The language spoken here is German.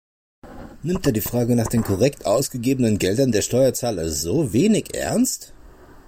Nimmt er die Frage nach den korrekt ausgegebenen Geldern der Steuerzahler so wenig ernst?